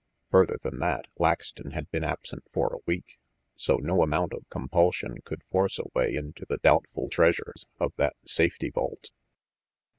Further than that, Laxton had been absent for a week, so no amount of compulsion could force a way into the doubtful treasures of that safety vault.